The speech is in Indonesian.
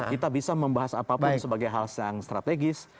kita bisa membahas apapun sebagai hal yang strategis